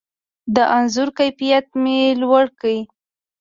د انځور کیفیت مې لوړ کړ.